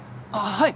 はい。